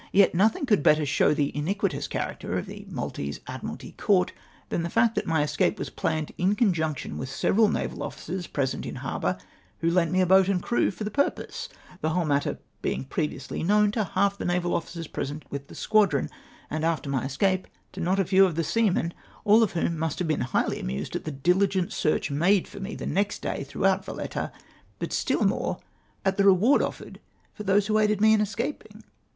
Yet nothing coidd better show the iniquitous character of the Maltese Admiralty Com^t than the fact that my escape Avas planned m conjunction with several naval officers pre sent in harbour who lent me a boat and crew, for the pur pose ; the Avhole matter being previously knoAvn to half the naval officers present with the squadron, and, after my escape, to not a few of the seamen, aU of whom must have been highly amused at the diligent search made for me the next day throughout Valetta, but still more at the reward offered for those who aided me in escaping.